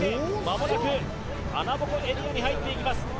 まもなく穴ぼこエリアに入っていきます